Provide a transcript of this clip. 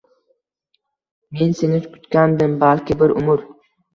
Men seni kutgandim balki bir umr